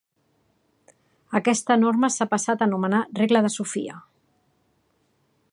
Aquesta norma s'ha passat a anomenar regla de Sofia.